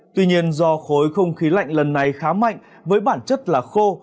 tuy nhiên do khối không khí lạnh lần này khá mạnh với bản chất là khô